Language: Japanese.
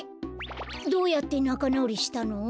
どうやってなかなおりしたの？